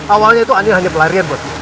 awalnya itu andi hanya pelarian buat gue